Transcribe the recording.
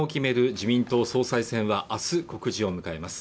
自民党総裁選は明日告示を迎えます